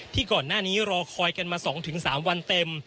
ก่อนหน้านี้รอคอยกันมา๒๓วันเต็ม